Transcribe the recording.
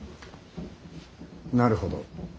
なるほど。